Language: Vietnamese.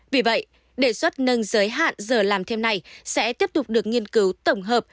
vì vậy đề xuất nâng giới hạn giờ làm thêm này sẽ tiếp tục được nghiên cứu tổng hợp